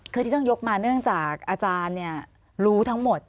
คือที่ต้องยกมาเนื่องจากอาจารย์รู้ทั้งหมด